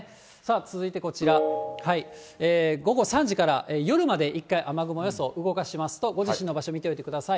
続いてこちら、午後３時から夜まで一回、雨雲予想、動かしますと、ご自身の場所を見ておいてください。